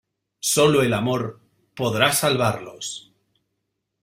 Sólo el amor podrá salvarlos.